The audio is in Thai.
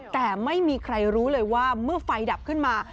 แต่ไม่มีใครรู้เลยว่าเมื่อไฟดับขึ้นมา